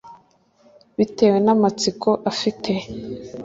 Bitewe namatsiko afite